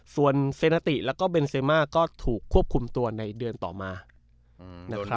ส่วนเซนาติแล้วก็เบนเซมาก็ถูกควบคุมตัวในเดือนต่อมานะครับ